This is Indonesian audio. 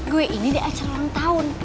gue ini di acara ulang tahun